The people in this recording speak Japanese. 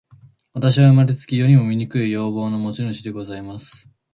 私は生れつき、世にも醜い容貌の持主でございます。